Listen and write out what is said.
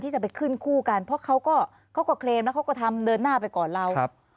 จะไปขึ้นคู่กันเพราะเขาก็เคลมแล้วเขาก็ทำเดินหน้าไปก่อนเรา